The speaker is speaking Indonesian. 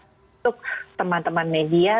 untuk teman teman media